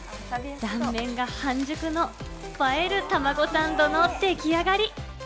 断面が半熟の映える、たまごサンドの出来上がり。